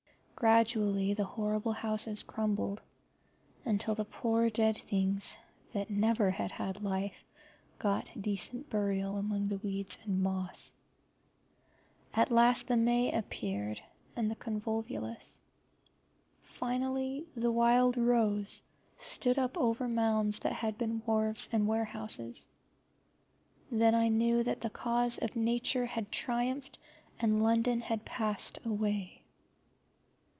Gradually the horrible houses crumbled, until the poor dead things that never had had life got decent burial among the weeds and moss. At last the may appeared and the convolvulus. Finally, the wild rose stood up over mounds that had been wharves and warehouses. Then I knew that the cause of Nature had triumphed, and London had passed away.